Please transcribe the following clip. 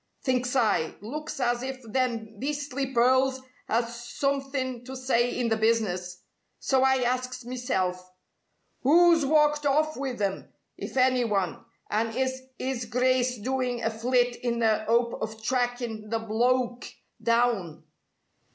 Thinks I, looks as if them beastly pearls has somethin' to say in the business. So I asks meself: 'Oo's walked off with 'em, if any one, and is 'is Grice doin' a flit in the 'ope of trackin' the bloke down?